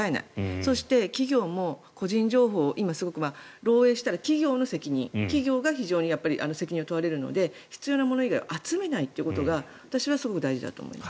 そして、企業も個人情報を漏えいしたら企業の責任企業が非常に責任を問われるので必要なもの以外は集めないということが私はすごく大事だと思います。